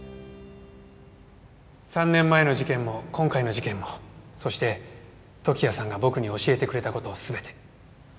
３年前の事件も今回の事件もそして時矢さんが僕に教えてくれた事全て。